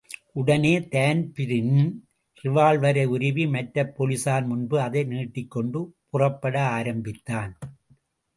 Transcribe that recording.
உடனே தான்பிரீன் ரிவால்வரை உருவி மற்றப் போலிஸார் முன்பு அதை நீட்டிக் கொண்டு புறப்பட ஆரம்பித்தான்.